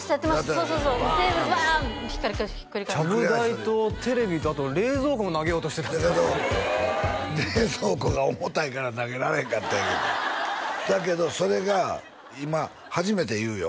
そうそうそうテーブルバーンッひっくり返してちゃぶ台とテレビとあと冷蔵庫も投げようとしてたとかって冷蔵庫が重たいから投げられへんかっただけどそれが今初めて言うよ